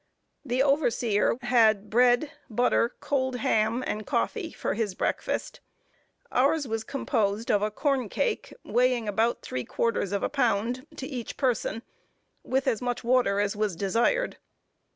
The overseer had bread, butter, cold ham, and coffee for his breakfast. Ours was composed of a corn cake, weighing about three quarters of a pound, to each person, with as much water as was desired.